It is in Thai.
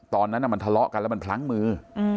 ตอนนั้นมันทะเลาะกันแล้วมันพลั้งมือ